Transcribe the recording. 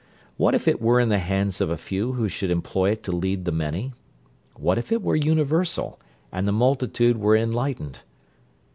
What if it were in the hands of a few who should employ it to lead the many? What if it were universal, and the multitude were enlightened?